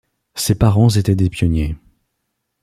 Ses parents étaient des pionniers.